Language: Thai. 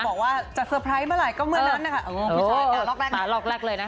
พอบอกว่าจะเซอร์ไพรส์เมื่อไหร่ก็เมื่อนั้นนะคะเออตาล็อกแรกเลยนะคะ